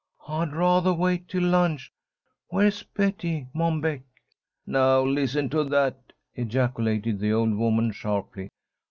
I'd rathah wait till lunch. Where's Betty, Mom Beck?" "Now listen to that!" ejaculated the old woman, sharply.